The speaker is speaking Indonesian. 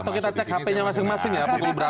masuk ke sini atau kita cek hpnya masing masing ya